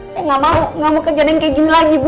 saya gak mau gak mau kejadian kayak gini lagi bu